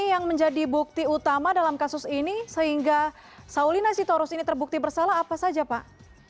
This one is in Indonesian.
yang menjadi bukti utama dalam kasus ini sehingga saulina sitorus ini terbukti bersalah apa saja pak